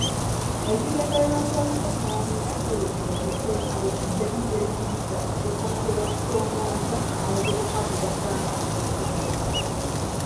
Ekigendererwa ky'olukungaana ekikulu kwe kuteekawo engeri eziyinza okugonjoola okusoomooza abavubuka kwe basanga mu masomero.